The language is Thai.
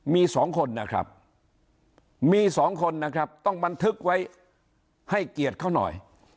มีสองคนนะครับมีสองคนนะครับต้องบันทึกไว้ให้เกียรติเขาหน่อย